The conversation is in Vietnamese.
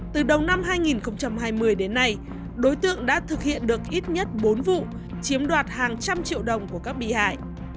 từ đầu năm hai nghìn hai mươi đến nay đối tượng đã thực hiện được ít nhất bốn vụ chiếm đoạt hàng trăm triệu đồng của các bị hại